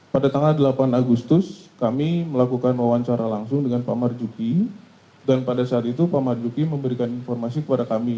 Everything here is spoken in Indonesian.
pada tanggal delapan agustus kami melakukan wawancara langsung dengan pak marjuki dan pada saat itu pak marzuki memberikan informasi kepada kami